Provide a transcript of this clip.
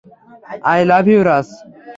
I love you, Raj.